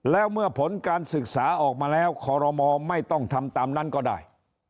แล้วเมื่อผลการศึกษาออกมาแล้วคอรมอไม่ต้องทำตามนั้นก็ได้